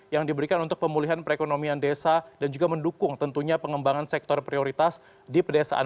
yang diberikan untuk pemulihan perekonomian desa dan juga mendukung tentunya pengembangan sektor prioritas di pedesaan